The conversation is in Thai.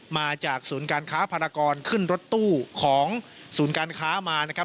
มาจากสูญการค้าพารากรขึ้นรถตู้ของสูญการค้ามา